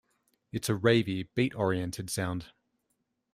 It's a rave-y, beat oriented sound.